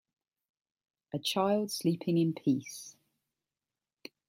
A child sleeping in peace